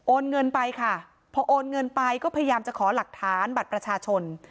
เงินไปค่ะพอโอนเงินไปก็พยายามจะขอหลักฐานบัตรประชาชน